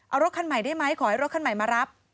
เอารถคันใหม่ได้ไหมขอให้รถคันใหม่มารับ